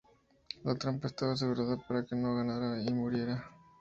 La trampa estaba asegurada para que no ganara y muriera.